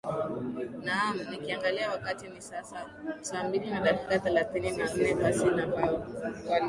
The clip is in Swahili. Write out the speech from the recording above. naam nikiangalia wakati ni saa mbili na dakika thelathini na nne basi nakualika